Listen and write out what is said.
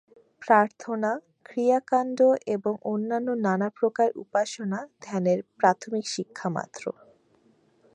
প্রার্থনা, ক্রিয়াকাণ্ড এবং অন্যান্য নানাপ্রকার উপাসনা ধ্যানের প্রাথমিক শিক্ষা মাত্র।